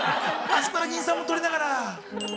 アスパラギン酸もとりながら。